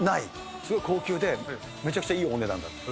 すごい高級で、めちゃくちゃいいお値段だった。